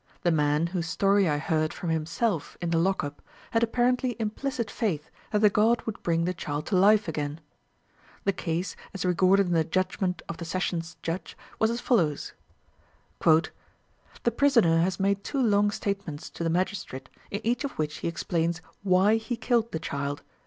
The man, whose story I heard from himself in the lock up, had apparently implicit faith that the god would bring the child to life again. The case, as recorded in the judgment of the Sessions Judge, was as follows: "The prisoner has made two long statements to the Magistrate, in each of which he explains why he killed the child.